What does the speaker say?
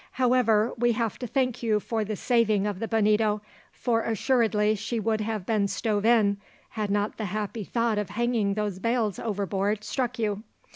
However, we have to thank you for the saving of the Bonito, for assuredly she would have been stove in, had not the happy thought of hanging those bales overboard struck you.